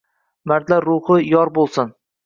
Mardlar ruhi yor bo’lsin.